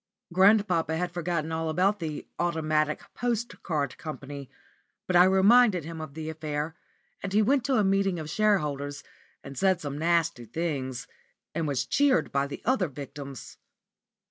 Grandpapa had forgotten all about the "Automatic Postcard Company," but I reminded him of the affair, and he went to a meeting of shareholders and said some nasty things, and was cheered by the other victims.